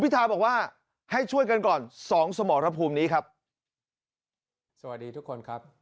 สวัสดีทุกคนครับ